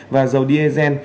và dầu diesel